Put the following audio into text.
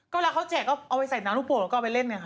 ก็เวลาเขาแจกก็เอาไปใส่น้ำลูกโป่งแล้วก็เอาไปเล่นไงค่ะ